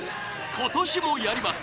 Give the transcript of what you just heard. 今年もやります！